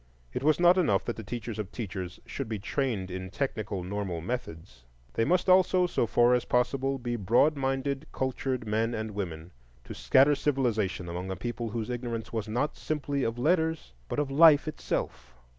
It was not enough that the teachers of teachers should be trained in technical normal methods; they must also, so far as possible, be broad minded, cultured men and women, to scatter civilization among a people whose ignorance was not simply of letters, but of life itself.